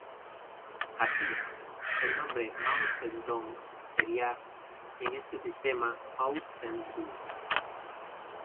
Así, el nombre "Mao Zedong" sería en este sistema "Mau Tze-dung".